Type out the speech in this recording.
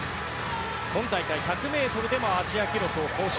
今大会１００ｍでもアジア記録を更新。